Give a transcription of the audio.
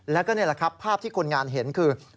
แล้วก็นี่แหละครับภาพที่คนงานเห็นคือ